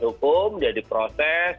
hukum dia diproses